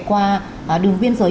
qua đường biên giới